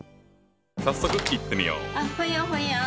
早速いってみよう。